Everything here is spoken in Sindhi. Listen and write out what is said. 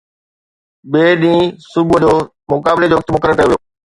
ٻئي ڏينهن صبح جو، مقابلي جو وقت مقرر ڪيو ويو